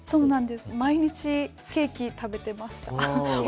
毎日ケーキを食べていました。